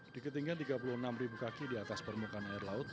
di ketinggian tiga puluh enam kaki di atas permukaan air laut